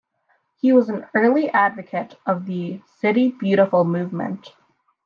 He was an early advocate of the City Beautiful movement.